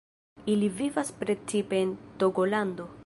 Ili vivas precipe en Togolando.